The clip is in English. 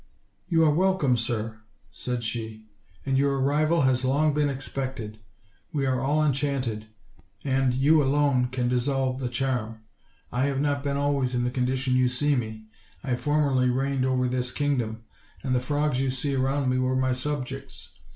"You are welcome, sir," said she, ''and your arrival has long been expected; we are all en chanted, and you alone can dissolve the charm. I have not been always in the condition you see me; I formerly reigned over this kingdom, and the frogs you see around me were my subjects.